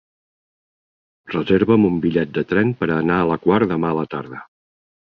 Reserva'm un bitllet de tren per anar a la Quar demà a la tarda.